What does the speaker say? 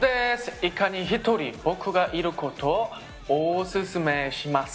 一家に一人、僕がいることをおすすめします。